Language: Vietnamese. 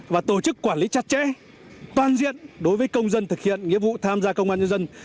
và tổ chức quản lý chặt chẽ toàn diện đối với công dân thực hiện nghĩa vụ tham gia công an nhân dân